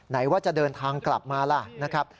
ว่าจะเดินทางกลับมาล่ะนะครับ